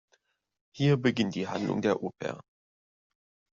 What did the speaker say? Hier beginnt die Handlung der Oper.